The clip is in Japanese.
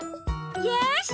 よし！